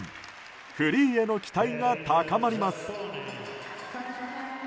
フリーへの期待が高まります。